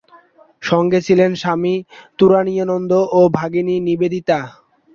সঙ্গে ছিলেন স্বামী তুরীয়ানন্দ ও ভগিনী নিবেদিতা।